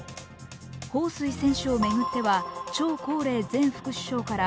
彭帥選手を巡っては張高麗前副首相から